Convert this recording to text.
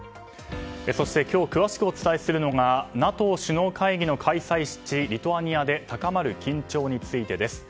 そして、今日詳しくお伝えするのがＮＡＴＯ首脳会議の開催地リトアニアで高まる緊張についてです。